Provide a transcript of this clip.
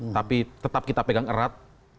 tapi tetap kita pegang erat